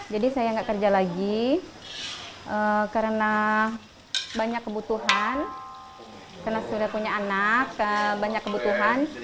jadi saya tidak bekerja lagi karena banyak kebutuhan karena sudah punya anak banyak kebutuhan